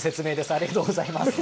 ありがとうございます。